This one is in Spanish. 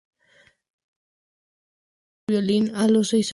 Empezó tocando el violín a los seis años.